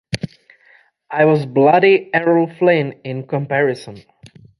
I was bloody Errol Flynn in comparison.